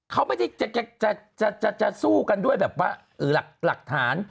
เขาไม่ได้จะสู้กันด้วยแบบว่าหลักฐาน